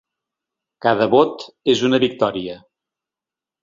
Cada vot és una victòria.